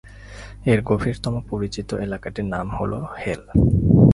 এর গভীরতম পরিচিত এলাকাটির নাম হল "হেল"।